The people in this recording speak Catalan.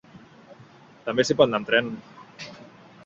També s’hi pot anar amb tren.